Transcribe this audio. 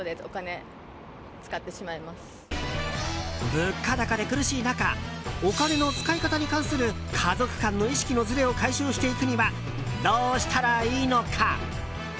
物価高が苦しい中お金の使い方に関する家族間の意識のずれを解消していくにはどうしたらいいのか。